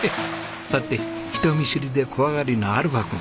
だって人見知りで怖がりなアルファ君